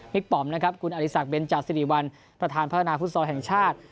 ป๋อมนะครับคุณอริสักเบนจาสิริวัลประธานพัฒนาฟุตซอลแห่งชาติ